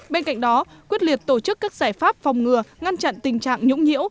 bên cạnh đó quyết liệt tổ chức các giải pháp phòng ngừa ngăn chặn tình trạng nhũng nhiễu